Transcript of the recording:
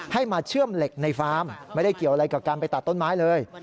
มาเชื่อมเหล็กในฟาร์มไม่ได้เกี่ยวอะไรกับการไปตัดต้นไม้เลย